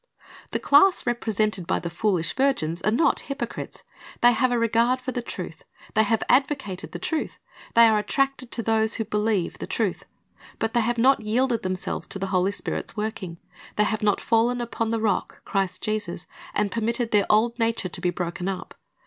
The class represented by the foolish virgins arc not hypocrites. They have a regard for the truth, they have advocated the truth, they are attracted to those who believe the truth; but they have xiot yielded themselves to the Holy Spirit's working. They have not fallen upon the Rock, Christ Jesus, and permitted their old nature to be broken up.